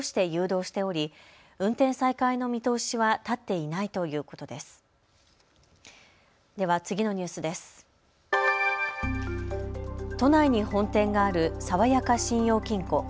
都内に本店があるさわやか信用金庫。